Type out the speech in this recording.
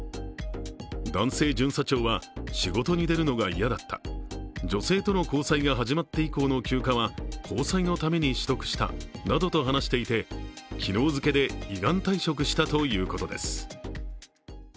男性巡査長は、仕事に出るのが嫌だった、女性との交際が始まって以降の休暇は交際のために取得したなどと話していて、昨日付で依願退職したということです。